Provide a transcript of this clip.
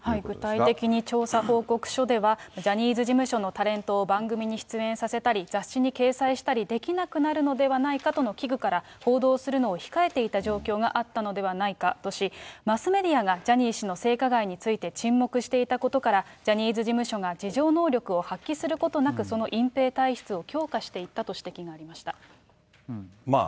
具体的に調査報告書では、ジャニーズ事務所のタレントを番組に出演させたり、雑誌に掲載したりできなくなるのではないかとの危惧から報道するのを控えていた状況があったのではとし、マスメディアがジャニー氏の性加害について沈黙していたことからジャニーズ事務所が自浄能力を発揮することなく、その隠蔽体質を強化していったと指摘がありました。